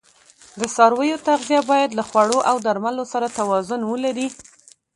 د څارویو تغذیه باید له خوړو او درملو سره توازون ولري.